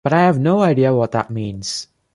But I have no idea what that means.